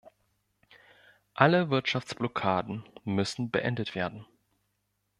Alle Wirtschaftsblockaden müssen beendet werden.